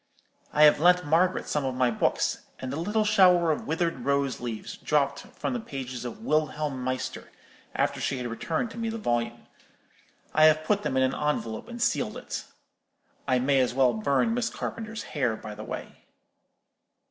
I have lent Margaret some of my books; and a little shower of withered rose leaves dropped from the pages of 'Wilhelm Meister,' after she had returned me the volume. I have put them in an envelope, and sealed it. I may as well burn Miss Carpenter's hair, by the way.